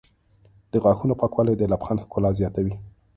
د غاښونو پاکوالی د لبخند ښکلا زیاتوي.